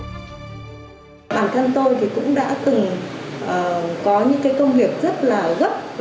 bản thân tôi cũng đã từng có những công việc rất là gấp